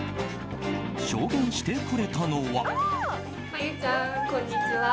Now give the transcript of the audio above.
証言してくれたのは。